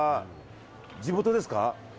地元ですか？